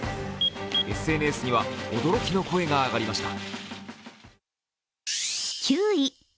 ＳＮＳには驚きの声が上がりました。